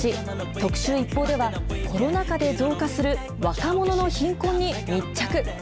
特集ＩＰＰＯＵでは、コロナ禍で増加する若者の貧困に密着。